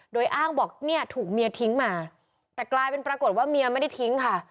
โดยอ้างบอกเนี่ยถูกเมียทิ้งมาแต่กลายเป็นปรากฏว่าเมียไม่ได้ทิ้งค่ะ